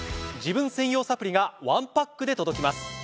自分専用サプリがワンパックで届きます。